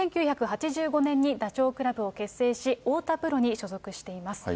１９８５年にダチョウ倶楽部を結成し、太田プロに所属しています。